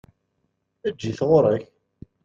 Eǧǧ-it ɣuṛ-k!